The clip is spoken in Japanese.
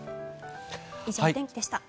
以上、お天気でした。